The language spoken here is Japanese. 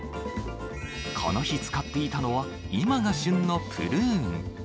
この日使っていたのは、今が旬のプルーン。